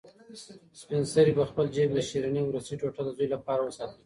سپین سرې په خپل جېب کې د شیرني وروستۍ ټوټه د زوی لپاره وساتله.